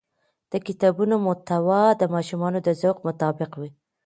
د کتابونو محتوا د ماشومانو د ذوق مطابق وي.